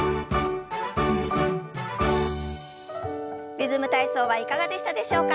「リズム体操」はいかがでしたでしょうか。